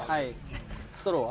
ストローは？